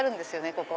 ここ。